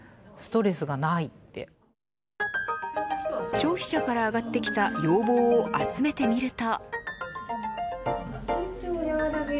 消費者から上がってきた要望を集めてみると。